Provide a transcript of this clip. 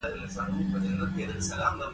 هغه هم ژړل او د خپلې خور سوفیا پوښتنه یې کوله